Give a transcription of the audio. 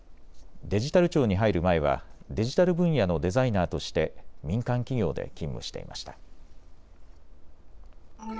デジタル庁に入る前はデジタル分野のデザイナーとして民間企業で勤務していました。